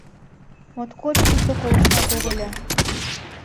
Моткоч тутло ковышта когыльо.